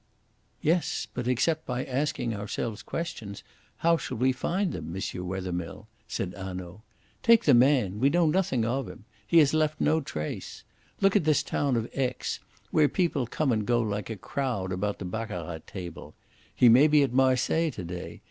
"Yes; but except by asking ourselves questions, how shall we find them, M. Wethermill?" said Hanaud. "Take the man! We know nothing of him. He has left no trace. Look at this town of Aix, where people come and go like a crowd about the baccarat table! He may be at Marseilles to day.